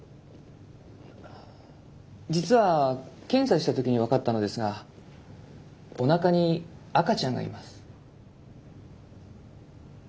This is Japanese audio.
実は検査した時に分かったのですがおなかに赤ちゃんがいます。